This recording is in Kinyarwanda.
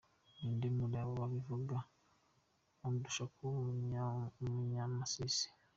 Ni inde muri abo babivuga undusha kuba umunyamasisi?